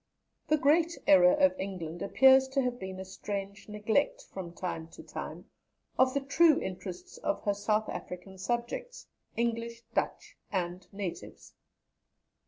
The great error of England appears to have been a strange neglect, from time to time, of the true interests of her South African subjects, English, Dutch, and Natives.